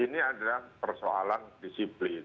ini adalah persoalan disiplin